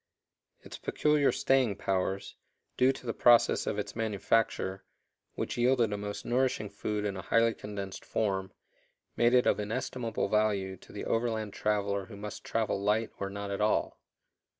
Its peculiar "staying powers," due to the process of its manufacture, which yielded a most nourishing food in a highly condensed form, made it of inestimable value to the overland traveler who must travel light or not at all.